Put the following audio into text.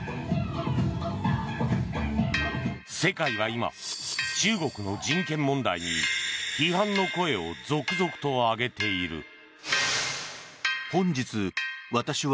世界は今、中国の人権問題に批判の声を続々と上げている。